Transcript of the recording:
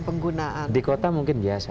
penggunaan di kota mungkin biasa